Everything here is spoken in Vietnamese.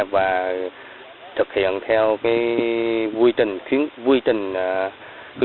và thực hiện theo quy trình